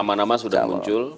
nama nama sudah muncul